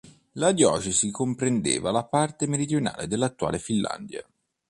La diocesi comprendeva la parte meridionale dell'attuale Finlandia.